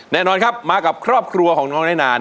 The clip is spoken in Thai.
แน่นอนครับมากับครอบครัวของน้องน้อยนาน